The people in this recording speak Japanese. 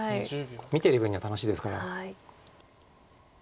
見てる分には楽しいですから。